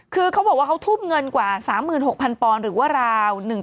คือเขาบอกว่าเขาทุ่มเงินกว่า๓๖๐๐ปอนด์หรือว่าราว